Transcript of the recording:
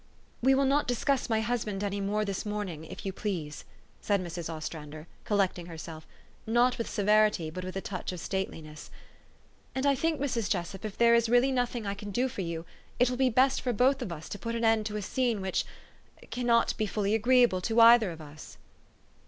" We will not discuss my husband any more this morning, if you please," said Mrs. Ostrander, col lecting herself, not with severity, but with a touch of stateliness. " And I think, Mrs. Jessup, if there is really nothing that I can do for you, it will be best for us both to put an end to a scene which cannot be fully agreeable to either of us."